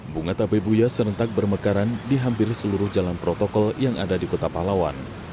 bunga tabebuya serentak bermekaran di hampir seluruh jalan protokol yang ada di kota pahlawan